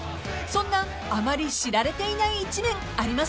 ［そんなあまり知られていない一面ありますか？］